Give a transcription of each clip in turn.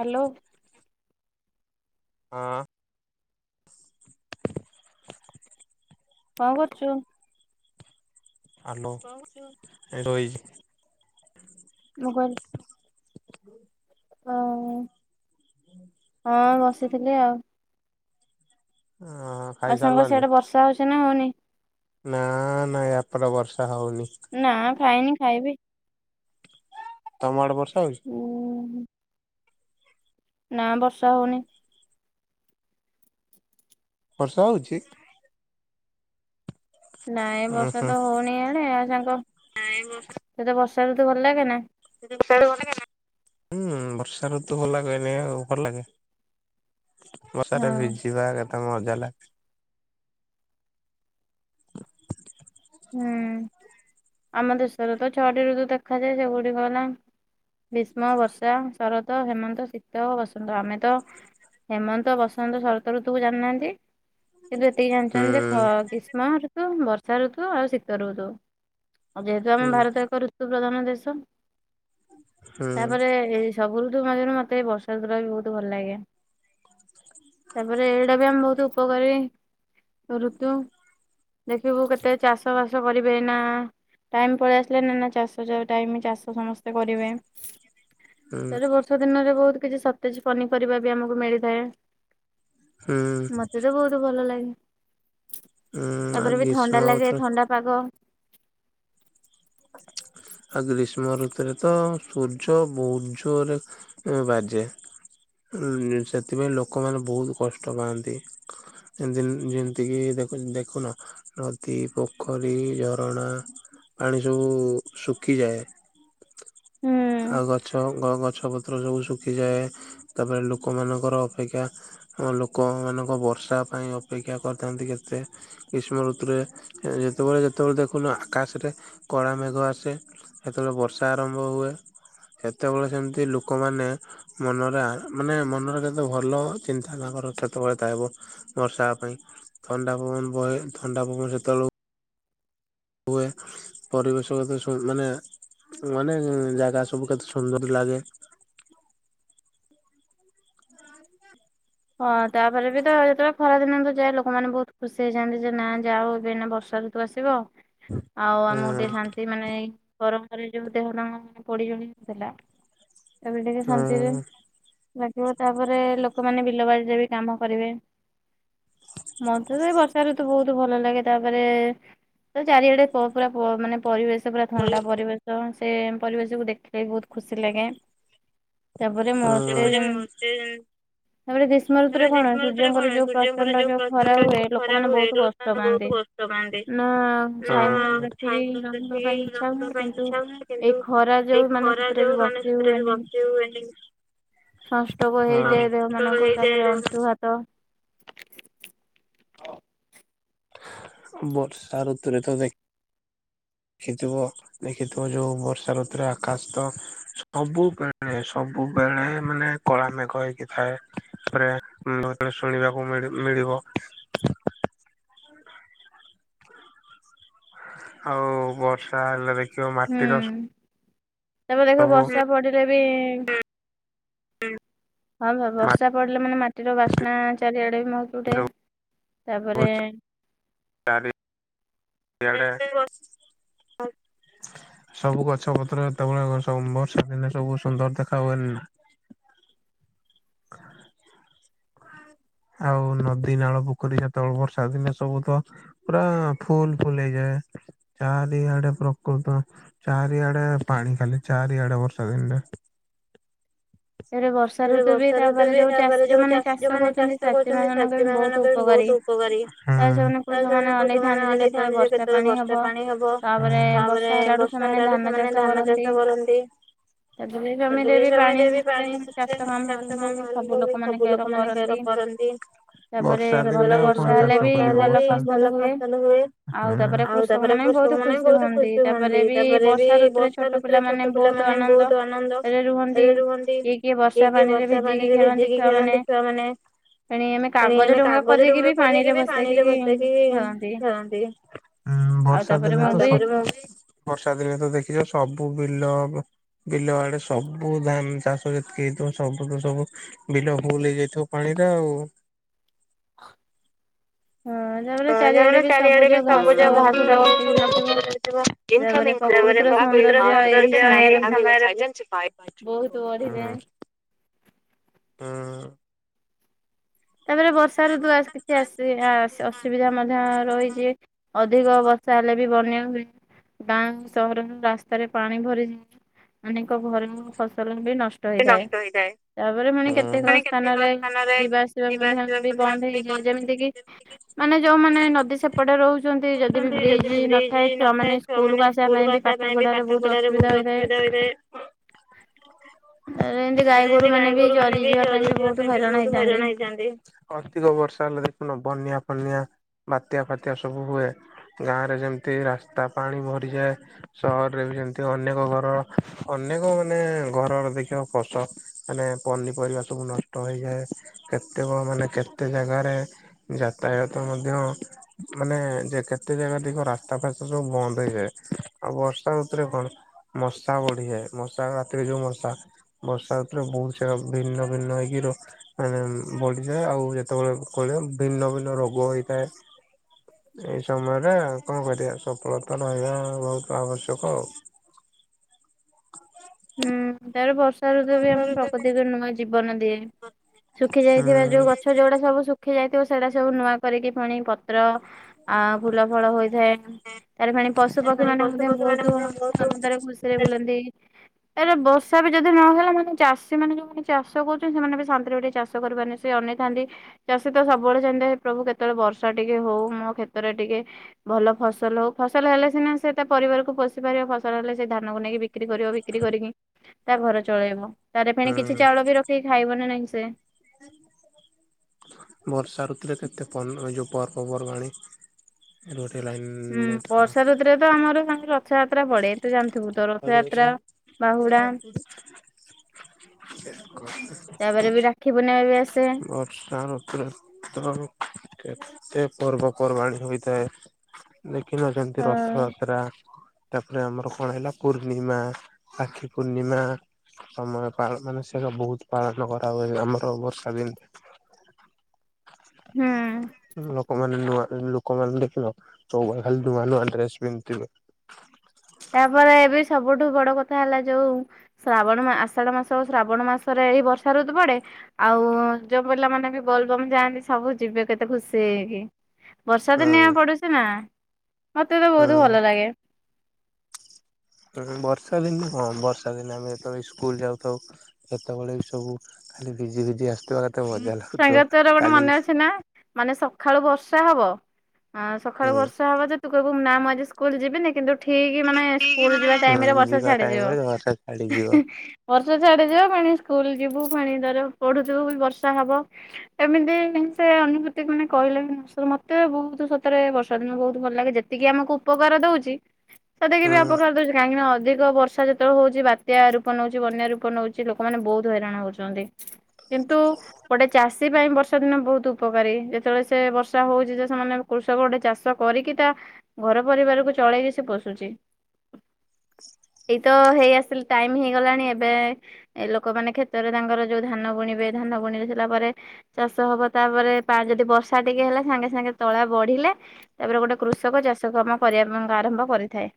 Hello. ହଁ। [unintelligible] କଁ କରୁଚୁ? ଆଲୋ ହିରୋଇ ମୁଁ କହିନି [inaudible] ହଁ। ହଁ ବସିଥିଲି ଆଉ। ହଁ ଖାଇସାରିଲନି? ନାଁ ହୋଉନି? ନାଁ ନାଁ ୟାପରେ ବର୍ଷା ହଉ ନାଁ ଖାଇନି। ଖାଇବି। ତମ ଆଡ଼େ ବର୍ଷ୍ ହଉଚି ନାଁ ବର୍ଷା ହୋଉନି। ବର୍ଷା ହଉଚି? ନାଇଁ ବର୍ଷା ତ ହୋଉନି ଇଆଡ଼େ ଆଉ ସାଙ୍ଗ ସେତେ ବର୍ଷ୍ ବର୍ଷା ଋତୁ ଭଲ ଲାଗେ ନାଁ? ତତେ ବର୍ଷା ଋତୁ ଭଲ ଲାଗେନା। ହୁଁ ବର୍ଷା ଋତୁ ଭଲ ଲାଗେନି ଆଉ ଭଲ ଲାଗେ। ବର୍ଷାରେ ଭିଜିବା କେତେ ମଜା ଲା ହୁଁ ଆମ ଦେଶରେ ତ ଛଅଟି ଋତୁ ଦେଖାଯାଏ ସେଗୁଡ଼ିକ ହେଲା ଗ୍ରୀଷ୍ମ ବର୍ଷା ଶରତ ହେମନ୍ତ ଶୀତ ଓ ବସନ୍ତ ଆମେ ତ ହେମନ୍ତ ବସନ୍ତ ଶରତ ଋତୁକୁ ଜାଣିନାହାନ୍ତି। କିନ୍ତୁ ଏତିକି ଜାଣିଚନ୍ତି ଯେ ଖ ଗୀଷ୍ମ ଋ ତୁ ବର୍ଷା ଋତୁ ତୁ ଆଉ ଶୀତ ଋତୁ। ଯେହେତୁ ଆମ ଭାରତ ଏକ ଋତୁ ପ୍ରଧାନ ଦେଶ ତାପରେ ଏଇ ସବୁ ଋତୁ ଋତୁ ମଧ୍ୟରୁ ମତେ ବର୍ଷା ଋତୁ ଟା ବହୁତ ଭଲ ଲାଗେ ତାପରେ ଏଇଟା ବି ଆମେ ବହୁତ ଉପକାରୀ ଋତୁ ଦେଖିବୁ କେତେ ଚାଷ ବାସ କରିବେ ନା ଟାଇମ୍ ପଳେଇ ଆସିଲେ ନା ନା ଚାଷ ଯେଉ ଟାଇମ ଚାଷ ସମସ୍ତେ କରିବେ ହେଲେ ବର୍ଷା ଦିନରେ ବହୁତ କିଛି ସତେଜ ପନିପରିବା ବି ଆମକୁ ମିଳିଥାଏ । ମତେ ତ ବହୁତ ଭଲ ଲାଗେ । ତାପରେ ବି ଥଣ୍ଡା ଲାଗେ। ଥଣ୍ଡା ପାଗ। ଆଉ ଗ୍ରୀଷ୍ମ ଋତୁରେ ତ ସୂର୍ଯ୍ୟ ବହୁ ଜୋରରେ ବାଜେ, ଉଁ ସେଥିପାଇଁ ଲୋକମାନେ ବହୁତ କଷ୍ଟ ପାଆନ୍ତି। ଜେମ୍ ଯେମିତିକି ଦେଖୁନ ନଦୀ, ପୋଖରୀ, ଝରଣା ପାଣି ଯଉ ଶୁଖିଯାଏ। ଆଉ କ ସବ ଗଛପତ୍ର ସବୁ ଶୁଖିଯାଏ। ତାପରେ ଲୋକମାନଙ୍କର ଅପେକ୍ଷା ଲୋକମାନଙ୍କ ବର୍ଷା ପାଇଁ ଅପେକ୍ଷା କରିଥାନ୍ତି, କେତେ ଗ୍ରୀଷ୍ମ ଋତୁରେ ଯେତେବେଳେ ଯେତେବେଳେ ଦେଖୁନ ଆକାଶ ରେ କଳା ମେଘ ଆସେ ସେତେବେଳେ ବର୍ଷା ଆରମ୍ଭ ହୁଏ। ସେତେବେଳେ ସେମିତି ଲୋକମାନେ ମନରେ ମାନେ ମନରେ କେତେ ଭଲ ଚିନ୍ତା ତାଙ୍କର ସେତେବେଳେ ଥାଇବ ବର୍ଷା ପାଇଁ। ଥଣ୍ଡା ପବନ ବହେ। ଥଣ୍ଡା ପବନ ସେତବେଳକୁ ହୁଏ। ପରିବେଶ କେତେ ସୁନ୍ଦ ମାନେ ମାନେ ଜାଗା ସବୁ କେତେ ସୁନ୍ଦର ଲାଗେ। ହଁ, ତାପରେ ବି ତ ଯେତେବେଳେ ଖରାଦିନ ତ ଯାଏ ଲୋକମାନେ ବହୁତ ଖୁସି ହେଇଯାଆନ୍ତି ଯେ, ନା ଯାହେଉ ବି ଏଇନା ବର୍ଷା ଋତୁ ଆସିବ। ଆଉ ଆମକୁ ଟିକେ ଶାନ୍ତି ମାନେ ଗରମ ପରେ [unintelligible] ଏବେ ଟିକେ ଶାନ୍ତିରେ ଲାଗିବ। ତାପରେ ଲୋକମାନେ ବି ରେ ବି କାମ କରିବେ। ମୋତେ ବି ବର୍ଷା ଋତୁ ବହୁତ ଭଲ ଲାଗେ। ତାପରେ ଚାରିଆଡେ ପ ପୁରା ପ ମାନେ ପରିବେଶ ପୁରା ଥଣ୍ଡା ପରିବେଶ। ସେ ପରିବେଶକୁୁ ଦେଖିଲେ ବି ବହୁତ ଖୁସି ଲାଗେ। ତାପରେ ମତେ ଜେମି [unintelligible] ଗ୍ରୀଷ୍ମ ଋତୁରେ କଣ ସୂର୍ଯ୍ୟଙ୍କର ଯଉ ପ୍ରଚଣ୍ଡ ଯଉ ଖରା ହୁଏ, ଲୋକମାନେ ବହୁତ କଷ୍ଟ ପାଆନ୍ତି। ନା ଛାଇ ମୂଳ ଦେଖିକି ରହିବା ପାଇଁ ଇଚ୍ଛା ହୁଏ କିନ୍ତୁ ଏଇ ଖରା ଯଉ ମାନେ ସେଥିରେ ବି ବସି ହୁଏନି। ସନ୍ ଷ୍ଟ୍ରୋକ ହେଇଯାଏ। ଦେହ ମାନ କୁ ତାପରେ ଅଂଶୁଘାତ। [unintelligible] ବର୍ଷା ଋତୁରେ ତ ଦେଖ ଦେଖିଥିବ ଦେଖିଥିବ ଯଉ ବର୍ଷା ଋତୁରେ ଆକାଶ ତ ସବୁବେଳେ ସବୁବେଳେ ମାନେ କଳା ମେଘ ହେଇକି ଥାଏ। ତାପରେ ଶୁଣିବାକୁ ମି ମିଳିବ ଆଉ ବର୍ଷା ହେଲେ ଦେଖ ଖିବ ମାଟିର ତମେ ଦେଖ ବର୍ଷା ପଡିଲେ ବେ ହଁ, ହଁ ବର୍ଷା ପଡିଲେ ମାନେ ମାଟି ମାଟିର ବାସ୍ନା ଚାରିଆଡେ ମହକି ଉଠେ। ତାପରେ ଆଡେ [unintelligible] ସବୁ ଗଛ ପତ୍ରତେବେଳେ ବର୍ଷା ଦିନେ ସବୁ ସୁନ୍ଦର ଦେଖା ହୁଏନି। ଆଉ ନଦୀ ନାଳ ପୋଖରୀ ଯେତେବେଳେ ବର୍ଷା ଦିନେ ସବୁ ତ ପୁରା ଫୁଲ ଫୁଲ ହେଇଯାଏ। ଚାରିଆଡେ ପ୍ରକୃତ ଚାରିଆଡେ ପାଣି ଖାଲି ଚାରିଆଡେ ବର୍ଷା ଦିନରେ ସେ ବର୍ଷା ଋତୁ ବି ତାପରେ ଯଉ ଚାଷୀ ଯଉମାନେ ଚାଷ କରୁଚନ୍ତି, ଚାଷୀ ମାନଙ୍କ ବି ବହୁତ ଉପକାରୀ ତା [unintelligible] ସେମାନେ କୃଷକ ମାନ ଅନେଇଥାନ୍ତି ଯେ କେତେବେଳେ ବର୍ଷା ପାଣି ହବ, ତାପରେ ବର୍ଷା ହେଲାରୁୁ ସେମାନେ ଧାନ ଚାଷ କରନ୍ତି। ସେ ଜମି ଜମି ଜମିତି ବି ପାଣି ଚାଷ କାମ ବି ସବୁ ଲୋକ ମାନ କର କରନ୍ତି। [unintelligible] ବର୍ଷା ହେଲେ ବି ଭଲ ଫସଲ ହୁଏ। [unintelligible] ଆଉ ତାପରେ କୃଷକ ମାନେ ବି ବହୁତ ଖୁସି ହୁଅନ୍ତି ତାପରେ ବି ବର୍ଷା ଋତୁରେ ଛୋଟ ପିଲା ମାନେ ବହୁତ ଆନନ୍ଦ ରେ ରୁହନ୍ତି। କିଏ କିଏ ବର୍ଷା ପାଣିରେ ଭିଜିକି ଖେଳନ୍ତି ଛୁଆମାନେ। ଫୁଣି ଆମେ କାଗଜ କରିକି ବି ପାଣିରେ ବସେଇକି ଖେଳନ୍ତି। [unintelligible] ବିଲ ବିଲ ଆଡେ ସବୁ ଧାନ ଚାଷ ଯେତିକି ହେଇଥିବ ସବୁ ତ ସବୁ ବିଲ ଭୁଲ ହେଇଯାଇଥିବ ପାଣିରେ ଆଉ। [inaudible] ହଁମର ଚାରିଆଡେ ବି ସବୁଜ ଘ- [unintelligible] ହୁଁ ତାପରେ ବର୍ଷା ରୁ କିଛି ଆସି ଅସୁବିଧା ମଧ୍ୟ ରହିଛି, ଅଧିକ ବର୍ଷା ହେଲେ ବି ବନ୍ୟ ହ ଗାଁ ସହରରୁ ରାସ୍ତାରେ ପାଣି ଭରିଯାଏ ଅନ ଙ୍କ ଘରେ ମୁ ଫସଲ ନଷ୍ଟ ହେଇଥାଏ ତାପରେ ପୁଣି କେତେକ ସ୍ଥାନରେ ଯିବା। ମଧ୍ୟ ବି ବନ୍ଦ ହେଇଯାଏ ଯେମିତି କି ମାନେ ଯୋଉମାନେ ନଦୀ ସେପଟେ ରହୁଛନ୍ତି ଯଦି ବି ବ୍ରିଜ ନଥାଏ ଛୁଆମାନେ ସ୍କୁଲକୁୁ ଆସିବା ପାଇଁ ବି ପାଠ ପଢାରେ ବହୁତ ଅସୁବିଧା ହେଥାଏ। ଏମିତି ଗାଈ ଗୋରୁ ମାନେ ବି ଚରିଯିବା ପାଇଁ ବି ବହୁତ ହଇରାଣ ହେଇଥାନ୍ତି। ଅଧିକ ବର୍ଷା ହେଲେ ଦେଖୁନ ବନ୍ୟା ଫନିଆ ବାତ୍ୟା ଫତ୍ୟା ସବୁ ହୁଏ ଗାଁ ରେ ଯେମିତି ରାସ୍ତା ପାଣି ଭରିଯାଏ ସହରରେ ବି ଯେମତି ଅନେକ ଘର ଅନେକ ମାନେ ଘରର ଦେଖ। ଫସ ମାନେ ପନିପରିବା ସବୁ ନଷ୍ଟ ହେଇଯାଏ କେତେକ ମାନେ କେତେ ଜାଗାରେ ଯାତାୟାତ ମଧ୍ୟ ମାନେ ଯେ କେତେ ଜାଗା ଦିକ ରାସ୍ତା ଫାସ୍ତା ସବୁ ବନ୍ଦ ହେଇଯାଏ ଆଉ ବର୍ଷା ଋତୁରେ କଣ ମଶା ବଢିଯାଏ ମଶା ରାତିରେ ଯୋଉ ମଶା ବର୍ଷା ଋତୁରେ ବହୁତ ସୋ ଭିନ୍ନ ଭିନ୍ନ ହେଇକି ମାନେ ବଢଯାଏ ଆଉ ଯେତେବେଳେ କହ ଭିନ୍ନ ଭିନ୍ନ ରୋଗ ହେଇଥାଏ ଏଇ ସମୟରେ କଣ କରିବା ସଫଳତା ରହିବା ବହୁତ ଆବଶ୍ୟକ ଆଉ। [unintelligible] ବର୍ଷା ଋତୁ ବି ଆମ ପ୍ରକୃତିକୁ ନୂ ଜୀବନ ଦିଏ ଶୁଖି ଯାଇଥିବା ଯୋଉ ଗଛ ଯୋଉଗୁଡା ସବୁ ଶୁଖି ଯାଇ ତ ସେଇଟା ସବୁ ନୂଆ କରିକି ପୁଣି ପତ୍ର ଆ ଫୁଲ ଫଳ ହୋଇଥାଏ ତାର ଫଣି ପଶୁ ପକ୍ଷୀ ମାନେ ମଧ୍ୟ ବହୁତ ଆନନ୍ଦରେ ଖୁସିରେ ବୁଲନ୍ତି। ବର୍ଷା ବି ଯଦି ନହେଲେ ମାନେ ଚାଷୀ ମାନେ ଯୋଉମାନେ ଚାଷ କରୁଛନ୍ତି ସେମାନେ ବି ଶାନ୍ତିରେ ଟିକେ ଚାଷ କରିବାରନି ସେ ଅନେଇଥାନ୍ତି ଚାଷୀ ତ ସବୁବେଳେ ଚାହି ପ୍ରଭୁ କେତେବେଳେ ବର୍ଷା ଟିକେ ହଉ ମୋ କ୍ଷେତରେ ଟିକେ ଭଲ ଫସଲ ହଉ ଫସଲ- ହେଲେ ସିନା ସେ ତା ପରିବାରକୁ ପଷି ପାରିବ ଫସଲ ହେଲେ ସେ ଧାନକୁ ନେଇକି ବିକ୍ରି କରିବ। ତା ଘରେ ଚଳେଇବ ତ ଫେଣି କିଛି ଚାଉଳ ବି ରଖିକି ଖାଇବନି ନାହିଁ। ସେ ବର୍ଷା ଋତରେ କେତେ ଯୋଉ ପର୍ବପର୍ବାଣି ହୁଁ ବର୍ଷା ଋତୁରେ ତ ଆମର ର ପଥଯାତ୍ରା ପେ ତୁ ଜାଣିଥିବୁ [unintelligible] [unintelligible] ବର୍ଷା ଋତୁରେ [unintelligible] ଏତେ ପର୍ବପର୍ବାଣି ହୋଇଥାଏ। କି ଯେମିତି ରଥଯାତ୍ରା ତାପରେ ଆମର କଣ ହେଲା ପୂର୍ଣ୍ଣିମା ଆକ୍ଷୀ ପୂର୍ଣ୍ଣିମା ସମୟ ମାନେ ସେଇଟା ବହୁତ ପାଳନ କରା ହଏ ଆମର ବର୍ଷ [unintelligible] ଲୋକମାନେ ନୂଆ ଲୋକମାନେ ଦେଖିଲ ସୋ ଖାଲି ନୂଆ ନୂଆ ଡ୍ରେସ ପିନ୍ଧିବେ ତାପରେ ଏବେ ସବୁଠୁ ବଡ କଥା ହେଲା ଯୋଉ ଶ୍ରାବଣ ଆଷାଢ ମାସ ଆଉ ଶ୍ରାବଣ ମାସରେ ଏଇ ବର୍ଷା ଋତୁ ପଡେ ଆଉ ଯୋଉ ପିଲାମାନୋନେ ବି ବଲ ବମ୍ ଯାଆନ୍ତି ସବୁ ଯିବେ କେତେ ଖୁସି ହେଇକି। ବର୍ଷା ଦିନ ପଡୁଛି ନା ମତେ ତ ହହୁତ ଭଲ ଲାଗେ ହଁ ବର୍ଷା ଦିନ ହଁ ବର୍ଷା ଦିନ ଆମେ ଯେତେବେଳେ ସ୍କୁଲ ଯାଉଥାଉ ସେତେବେଳେ ବି ସବୁ ଖାଲି ଭିଜି ଫିଜି ଆସୁଥିବା ସାଙ୍ଗ ତର ଗୋଟେ ମନେ ଅଛି ନାଁ ମାନେ ସକାଳୁ ବର୍ଷା ବର୍ଷା ହବ ଆ ସକାଳୁ ବର୍ଷା ହବାଯେ ତୁ କହିବୁ ନାଁ ଆଜି ସ୍କୁଲ ଯିବିନି କିନ୍ତୁ। ଠିକ ମାନେ ସ୍କୁଲ ଯିବା ଟାଇମ ରେ ବର୍ଷା ଛାଡ଼ିଯିବ ବର୍ଷା ଛାଡେ ଯିବା ପାଣି ସ୍କୁଲ ଯିବୁ ପାଣି ଧର ପଢୁଥିବୁ ବର୍ଷା ହବ ଏମିତି ସେ ଅନୁଭୂତି ମାନେ କହିଲେ ବି ନ ମତେ ବହୁତ ସତରେ ବର୍ଷା ଦିନ ବହୁତ ଭଲ ଲାଗେ ଯେତିକି ଆମକୁ ଉପକାର ଦଉଛି ସେତିକି ବି ଅପକାର ଦେଉଛି [inaudible] ଅଧିକ ବର୍ଷା ଯେତେବେଳେ ହଉଛି ବାତ୍ୟା ରୂପ ନେଉଛି ବନ୍ୟା ରୂପ ନଉଛି ଲୋକମାନେ ବହୁତ ହଇରାଣ ହଉଛନ୍ତି। କିନ୍ତୁ ଚାଷୀ ପାଇଁ ବର୍ଷା ଦିନ ବହୁତ ଉପକାରୀ ଯେତେବେଳେ ସେ ବର୍ଷା ହଉଛି ଯେ ସେମାନେ କୃଷକ ଗୋଟେ ଚାଷ କରିକି ତା ଘର ପରିବାରକୁ ଚଳେଇକି ସେ ପୋଷୁଛି [unintelligible] ତ ହେଇ ଆସିଲି ଟାଇମ ହେଇଗଲାଣି ଏବେ ଏ ଲୋକମାନେ କ୍ଷେତରେ ତାଙ୍କର ଯୋଉ ଧାନ ବୁଣିବେ ଧାନ ବୁଣେ ତାପରେ ଚାଷ ହବ ତାପରେ ପା ଯଦି ବର୍ଷା ଟିକେ ହେଲା ସାଙ୍ଗେ ସାଙ୍ଗେ ତଳା ବଢିଲେ ତାପରେ ଗୋଟେ କୃଷକ ଚାଷ କାମ କରିବା ଆରମ୍ଭ କରିଥାଏ।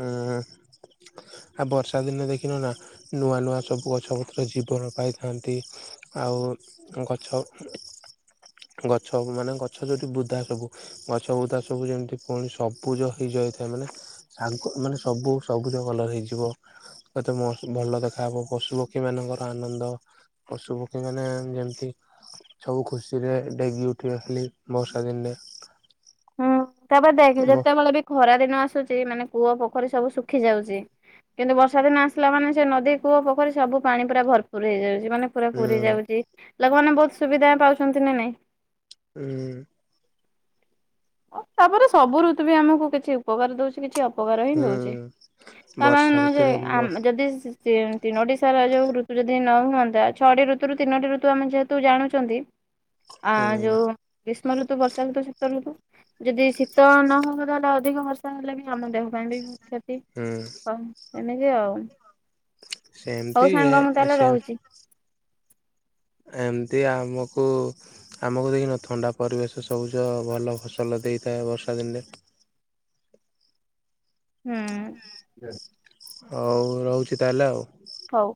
ହୁଁ ଆଉ ବର୍ଷା ଦିନେ ଦେଖିନ ନା ନୂଆ ନୂଆ ସବୁ ଗଛ ପତ୍ର ଜୀବନ ପାଇଥାନ୍ତି ଆଉ ଗଛ ଗଛ ମାନେ ଗଛ ଯୋଉଠି ବୁଧା ସବୁ ଗଛ ବୁଧା ସବୁ ଯେମିତି ପୁଣି ସବୁଜ ହେଇଯାଇଥାଏ ମାନେ ସାଙ୍ଗ ମାନେ ସବୁ ସବୁଜ କଲର ହେଇଯିବତେ ଭଲ ଦେଖାହବ ପଶୁପକ୍ଷୀ ମାନଙ୍କର ଆନନ୍ଦ ପଶୁ ପକ୍ଷୀ ମାନେ ଯେମିତି ସବୁ ଖୁସିରେ ଡେଗି ଉଠିବ ଖି ବର୍ଷା ଦିନରେ ହ [inaudible] ତାପରେ ଦେଖ ଯେତେବେଳେ ବି ଖରା ଦିନ ଆସୁଛି, ମାନେ କୂଅ ପୋଖରୀ ସବୁ ଶୁଖି ଯାଉଛି କିନ୍ତୁ ବର୍ଷା ଦିନ ଆସିଲା ମାନେ ସେ ନଦୀ କୂଅ ପୋଖରୀ ସବୁ ପାଣି ପୁରା ଭରପୁର ହେଇଯାଉଛି, ମାନେ ପୁରା ପୁରୀ ଯାଉଛି। ଲୋକମାନେ ବହୁତ ସୁବିଧା ପାଉଛନ୍ତି ନା ନାଇଁ ହୁଁ। ଓ ତାପରେ ସବୁ ଋତୁ ବି ଆମକୁ କିଛି ଉପକାର ଦଉଛି କିଛି, ଅ ଉପକାର ହିଁ ଦଉଛି ତାମାନେ ନୁହେଁ ଯେ ଆ ଯଦି ତିନୋଟି ସାରା ଯୋଉ ଋତୁ ଯଦି ନ ହୁଅନ୍ତା ଛଅଟି ଋତୁରୁ ତିନୋଟି ଋତୁ ଆମେ ଯେହେତୁ ଜାଣୁଛନ୍ତି। ଆ ଯୋଉ ଗ୍ରୀଷ୍ମ ଋତୁ ବର୍ଷା ଋତୁ [inaudible] ଯଦି ଶୀତ ନହବ ତାହେଲେ ଅଧିକ ବର୍ଷା ହେଲେ ବି ଆମ ଦେହ ପାଇଁ ବି କ୍ଷତି [inaudible] ହଁ। ଏମିତି ଆଉ। ସେମତି ସେ ଏମିତି ଆମକୁ ଆମକୁ ଦେଖିନ ଥଣ୍ଡା ପରିବେଶ ସବୁଜ ଭଲ ଫସଲ ଦେଇଥାଏ ବର୍ଷା ଦିନେ ହୁଁ। ହଉ ରହୁଛି ତାହେଲେ ଆଉ। ହୋଉ।